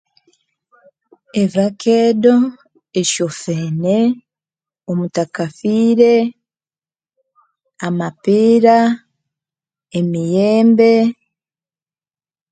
Ebekedo, esyo fene, omutakafire, amapira, emiyembe